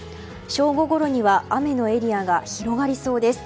正午ごろには雨のエリアが広がりそうです。